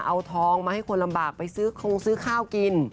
เอาทองมาให้คนลำบากไปซื้อคงซื้อข้าวกิน